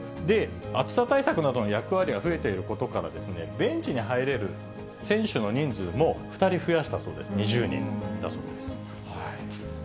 暑さ対策などの役割が増えていることから、ベンチに入れる選手の人数も２人増やしたそうです、２０人だそうです。